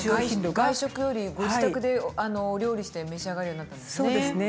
外食よりご自宅でお料理して召し上がるようになったんですね。